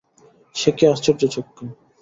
সে কী আশ্চর্য চক্ষু!